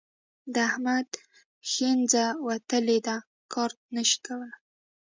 د احمد ښنځ وتلي دي؛ کار نه شي کولای.